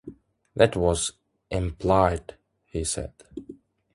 "That was implied," he said.